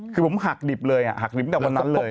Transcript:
คือผมหักดิบเลยหักดิบแต่วันนั้นเลย